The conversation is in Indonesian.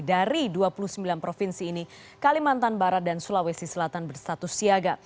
dari dua puluh sembilan provinsi ini kalimantan barat dan sulawesi selatan berstatus siaga